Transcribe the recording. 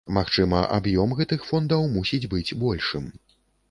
Магчыма, аб'ём гэтых фондаў мусіць быць большым.